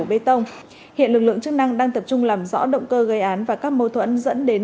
bê tông hiện lực lượng chức năng đang tập trung làm rõ động cơ gây án và các mâu thuẫn dẫn đến